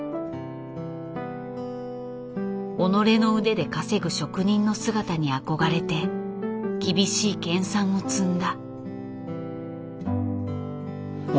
己の腕で稼ぐ職人の姿に憧れて厳しい研鑽を積んだ。